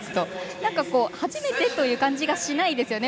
何か、初めてという感じがしないですよね